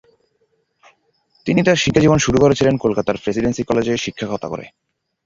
তিনি তাঁর শিক্ষাজীবন শুরু করেছিলেন কলকাতার প্রেসিডেন্সি কলেজে শিক্ষকতা করে।